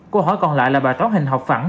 câu hỏi còn lại là bài tóm hình học phẳng